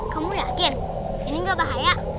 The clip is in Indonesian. kamu yakin ini gak bahaya